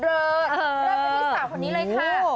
เออ